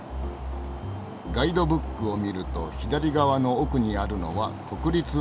ガイドブックを見ると左側の奥にあるのは国立オペラハウス。